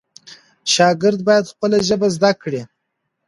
شاګرد باید خپله ژبه زده کړي.